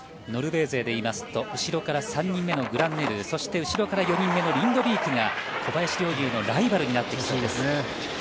ノルウェー勢でいいますと後ろから３人目のグランネルー後ろから４人目のリンドビークが小林陵侑のライバルになってきます。